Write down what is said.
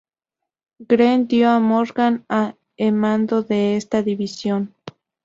Greene dio a Morgan e mando de esta división.